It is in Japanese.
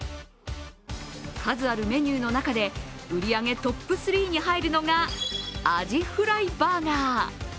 数あるメニューの中で売り上げトップ３に入るのがアジフライバーガー。